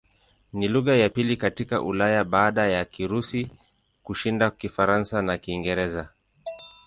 Ni lugha ya pili katika Ulaya baada ya Kirusi kushinda Kifaransa na Kiingereza.